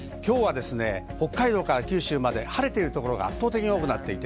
北海道から九州まで晴れているところが多くなっています。